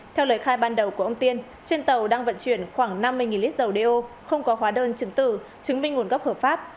theo lời khai ban đầu của ông tiên trên tàu đang vận chuyển khoảng năm mươi lít dầu đeo không có hóa đơn chứng tử chứng minh nguồn gốc hợp pháp